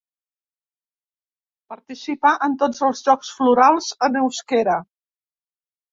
Participà en tots els jocs florals en euskera.